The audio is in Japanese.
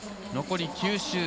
残り９周。